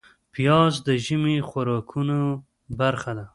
پیاز د ژمي خوراکونو برخه ده